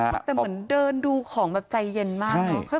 แต่เหมือนเดินดูของแบบใจเย็นมากนะ